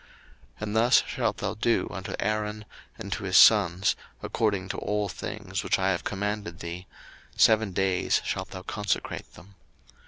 02:029:035 And thus shalt thou do unto Aaron, and to his sons, according to all things which I have commanded thee: seven days shalt thou consecrate them.